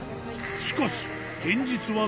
しかし・